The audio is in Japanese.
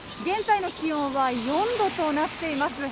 現在の気温は４度となっています。